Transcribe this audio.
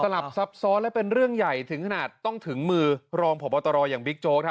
ลับซับซ้อนและเป็นเรื่องใหญ่ถึงขนาดต้องถึงมือรองพบตรอย่างบิ๊กโจ๊ก